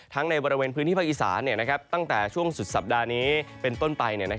ในบริเวณพื้นที่ภาคอีสานตั้งแต่ช่วงสุดสัปดาห์นี้เป็นต้นไป